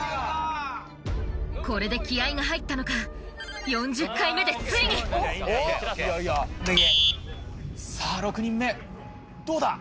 これで気合が入ったのか４０回目でついにさぁ６人目どうだ？